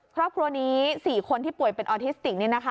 ครอบครัวนี้๔คนที่ป่วยเป็นออทิสติก